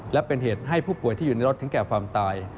และเป็นเหตุให้ผู้ป่วยที่อยู่ในรถถึงแก่ความตาย